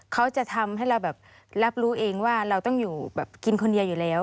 เขาจะทำให้เราแบบรับรู้เองว่าเราต้องอยู่แบบกินคนเดียวอยู่แล้ว